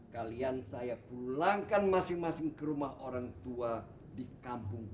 kalian saya pulangkan masing masing ke rumah orang tua di kampung